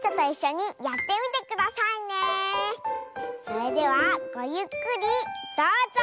それではごゆっくりどうぞ！